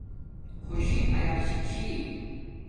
خوشی آیاشی چھی